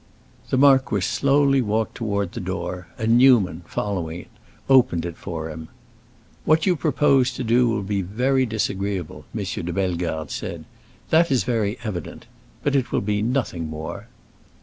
The marquis slowly walked toward the door, and Newman, following, opened it for him. "What you propose to do will be very disagreeable," M. de Bellegarde said. "That is very evident. But it will be nothing more."